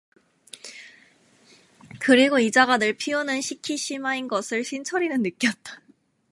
그리고 이 자가 늘 피우는 시키시마인 것을 신철이는 느꼈다.